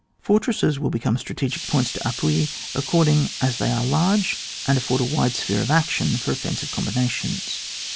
Fortresses will become strategic points d'appui, according as they are large, and afford a wide sphere of action for offensive combinations.